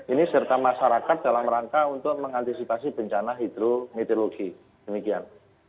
ini serta masyarakat dalam rangka untuk mengantisipasi bencana hidrometeorologi demikian